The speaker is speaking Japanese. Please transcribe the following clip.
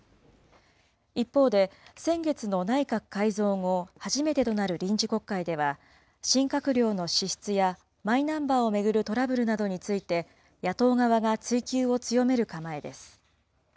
一方で、先月の内閣改造後初めてとなる臨時国会では、新閣僚の資質やマイナンバーを巡るトラブルなどについて野党側が追及を強める構えです。